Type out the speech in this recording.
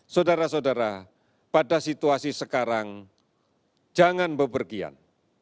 saudara saudara pada situasi sekarang jangan bepergian